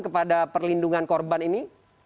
kepada perlindungan korban ini